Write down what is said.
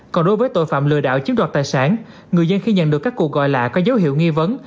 còn đối với tội phạm lừa đảo chiếm đoạt tài sản người dân khi nhận được các cuộc gọi lạ có dấu hiệu nghi vấn